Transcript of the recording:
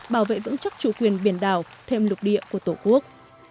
bảo vệ vững chắc chủ quyền biển đảo thêm lục địa của tổ quốc